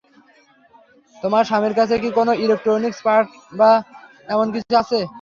তোমার স্বামীর কাছে কি কোন ইলেকট্রনিক্স পার্ট বা এমন কিছু আছে?